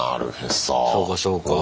そうかそうか。